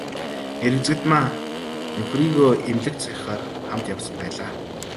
Эрэгзэдмаа нөхрийгөө эмнэлэгт сахихаар хамт явсан байлаа.